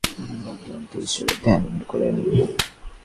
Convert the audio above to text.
ভক্ত মূর্তি-প্রতিমাদি এবং ঈশ্বরের ধ্যান করেন।